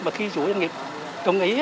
và khi chủ doanh nghiệp công ý